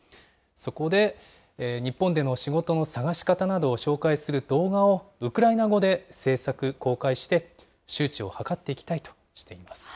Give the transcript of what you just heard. そこで、日本での仕事の探し方などを紹介する動画を、ウクライナ語で制作・公開して、周知を図っていきたいとしています。